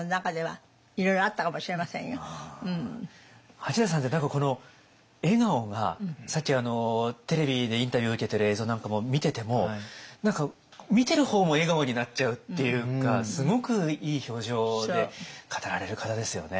八大さんって何かこの笑顔がさっきテレビでインタビュー受けてる映像なんかも見てても何か見てる方も笑顔になっちゃうっていうかすごくいい表情で語られる方ですよね。